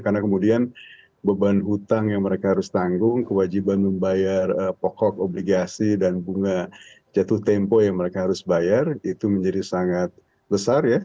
karena kemudian beban hutang yang mereka harus tanggung kewajiban membayar pokok obligasi dan bunga jatuh tempo yang mereka harus bayar itu menjadi sangat besar ya